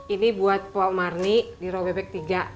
ini buat pak marni di roh bebek tiga